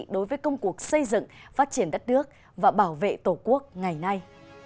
đối với công cuộc xây dựng phát triển đất nước và bảo vệ tổ quốc ngày nay